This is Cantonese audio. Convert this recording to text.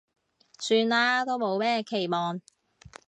算啦，都冇咩期望